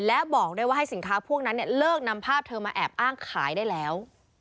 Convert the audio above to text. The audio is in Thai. และบอกด้วยว่าให้สินค้าพวกนั้นเลิกนำภาพเธอมาแอบอ้างขายได้แล้ว